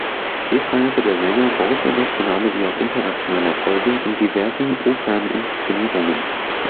Hier feierte der Sänger große nationale wie auch internationale Erfolge in diversen Operninszenierungen.